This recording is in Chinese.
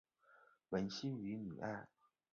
蒙希于米埃。